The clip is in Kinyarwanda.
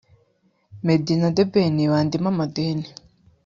“Meddy na The Ben bandimo amadeni